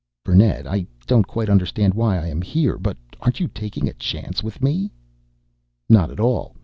"Burnett, I don't quite understand why I am here but aren't you taking a chance with me?" "Not at all.